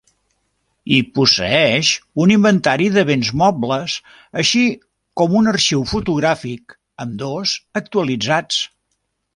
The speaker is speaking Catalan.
I posseeix un inventari de béns mobles, així com un arxiu fotogràfic, ambdós actualitzats.